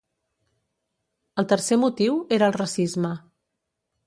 El tercer motiu era el racisme.